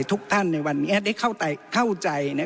ทุกท่านในวันนี้ได้เข้าใจ